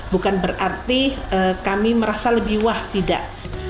bukan berarti kami merasa lebih wah tidak